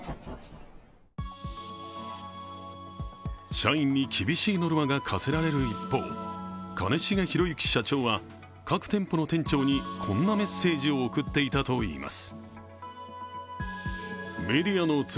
社員に厳しいノルマが課せられる一方兼重宏行社長は各店舗の店長に、こんなメッセージを送っていたといいます。